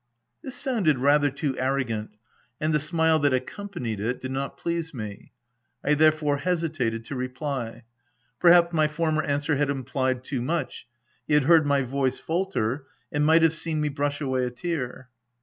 This sounded rather too arrogant, and the smile that accompanied it did not please me. I therefore hesitated to reply. Perhaps, my former answer had implied too much : he had heard my voice falter, and might have seen me brush away a tear.